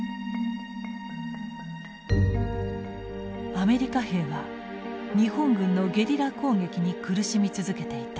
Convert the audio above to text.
アメリカ兵は日本軍のゲリラ攻撃に苦しみ続けていた。